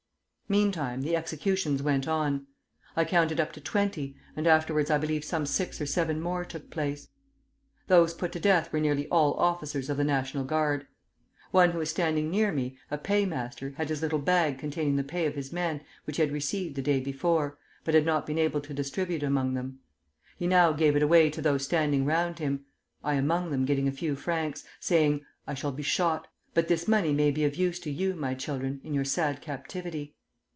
Meantime the executions went on. I counted up to twenty, and afterwards I believe some six or seven more took place. Those put to death were nearly all officers of the National Guard. One who was standing near me, a paymaster, had his little bag containing the pay of his men, which he had received the day before, but had not been able to distribute among them. He now gave it away to those standing round him (I among them getting a few francs), saying, 'I shall be shot; but this money may be of use to you, my children, in your sad captivity.'